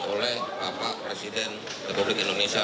oleh bapak presiden republik indonesia